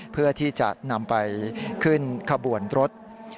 เพื่อที่จะนำไปขึ้นขบวนรถ